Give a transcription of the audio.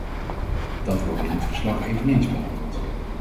Dat wordt in het verslag eveneens behandeld.